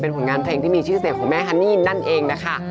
ผลงานเพลงที่มีชื่อเสียงของแม่ฮันนี่นั่นเองนะคะ